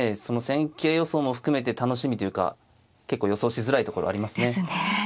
その戦型予想も含めて楽しみというか結構予想しづらいところありますね。ですね。